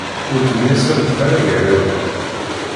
Ur ttemyasamet ara gar-awen.